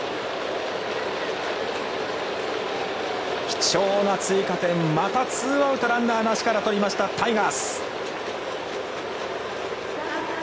貴重な追加点、またツーアウトランナーなしから取りましたタイガース。